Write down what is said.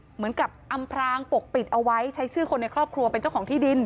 เหมือนกับอำพรางปกปิดเอาไว้ใช้ชื่อคนในครอบครัวเป็นเจ้าของที่ดิน